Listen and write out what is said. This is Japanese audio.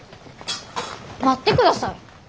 待ってください。